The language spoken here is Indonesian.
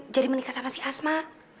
jadi menikah sama si asma